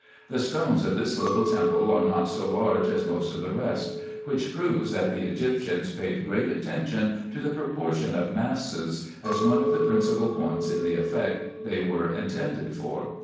The stones of this little temple are not so large as most of the rest ; which proves, that the Egyptians paid great attention to the proportion of masses, as one of the principal points in the effect they were intended for.